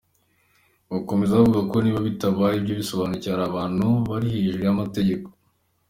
Bakomeza bavuga ko niba bitabaye ibyo bisobanuye ko hari abantu bari hejuru y’amategeko.